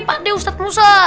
pak d ustadz musa